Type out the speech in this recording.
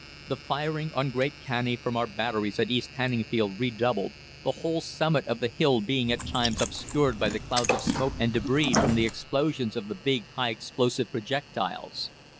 The firing on Great Canney from our batteries at East Hanningfield redoubled, the whole summit of the hill being at times obscured by the clouds of smoke and débris from the explosions of the big, high explosive projectiles.